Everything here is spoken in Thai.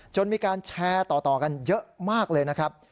มีการแชร์ต่อกันเยอะมากเลยนะครับ